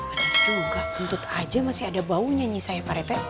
ada juga kentut aja masih ada bau nyanyi saya pak retek